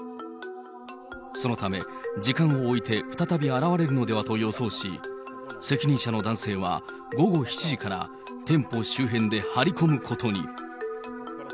そのため、時間を置いて再び現れるのではと予想し、責任者の男性は午後７時から店舗周辺で張り込むことに。